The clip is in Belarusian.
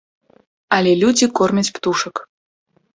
Але людзі кормяць птушак.